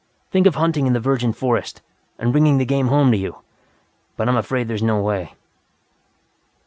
Think of hunting in the virgin forest, and bringing the game home to you! But I'm afraid there is no way.